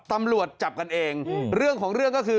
ตำรวจจับกันเองเรื่องของเรื่องก็คือ